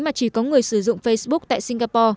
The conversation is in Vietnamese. mà chỉ có người sử dụng facebook tại singapore